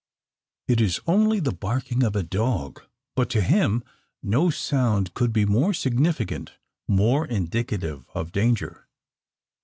It is only the barking of a dog; but to him no sound could be more significant more indicative of danger.